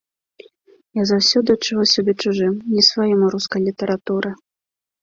Я заўсёды адчуваў сябе чужым, не сваім у рускай літаратуры.